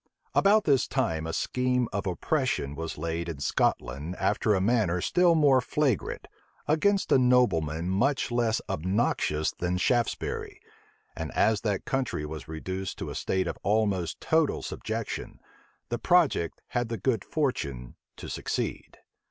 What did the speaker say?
About this time, a scheme of oppression was laid in Scotland after a manner still more flagrant, against a nobleman much less obnoxious than Shaftesbury; and as that country was reduced to a state of almost total subjection, the project had the good fortune to succeed.